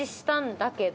「だけど